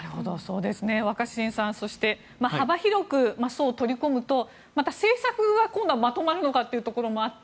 若新さん幅広く層を取り込むと政策が今度はまとまるのかというところもあって。